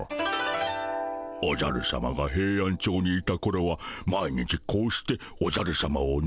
おじゃるさまがヘイアンチョウにいたころは毎日こうしておじゃるさまを乗せてたモ。